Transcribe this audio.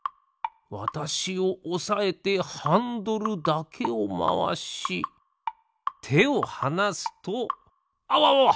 わたしをおさえてハンドルだけをまわしてをはなすとあわわわ！